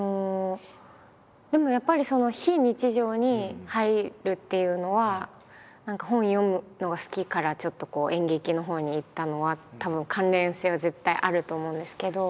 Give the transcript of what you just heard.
でもやっぱりその非日常に入るっていうのは何か本を読むのが好きからちょっと演劇のほうに行ったのはたぶん関連性は絶対あると思うんですけど。